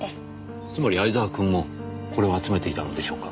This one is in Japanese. つまり藍沢くんもこれを集めていたのでしょうか？